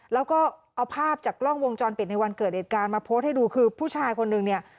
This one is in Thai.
แล้วก็เอาภาพจากกล้องวงจรปิดในวันเกิดเหตุการณ์มาโพสต์ให้ดูคือผู้ชายคนนึงเนี่ย